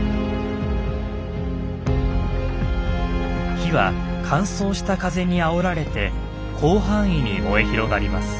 火は乾燥した風にあおられて広範囲に燃え広がります。